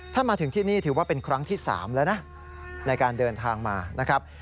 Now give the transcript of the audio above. ถ้ามาถึงที่นี่ถือว่าเป็นครั้งที่๓แล้วนะในการเดินทางมานะครับ